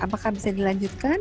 apakah bisa dilanjutkan